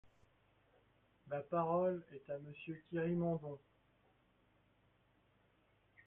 La parole est à Monsieur Thierry Mandon.